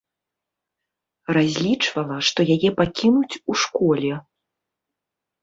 Разлічвала, што яе пакінуць у школе.